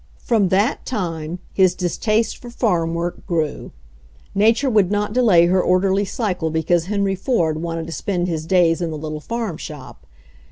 From that time his distaste for farm wc^fk grew. Nature would not delay htr orderly cydle because Henry Ford wanted to spend his diys in the little farm shop.